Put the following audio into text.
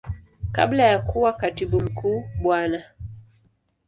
Kabla ya kuwa Katibu Mkuu Bwana.